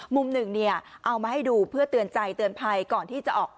มุมหนึ่งเนี่ยเอามาให้ดูเพื่อเตือนใจเตือนภัยก่อนที่จะออก